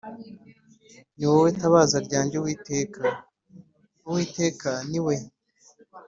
Ni wowe tabaza ryanjye Uwiteka Uwiteka ni we